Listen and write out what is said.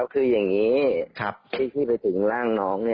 คืออย่างนี้ที่ไปถึงร่างน้อง